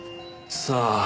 さあ。